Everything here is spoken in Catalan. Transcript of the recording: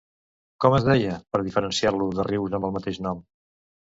Com es deia per diferenciar-lo de rius amb el mateix nom?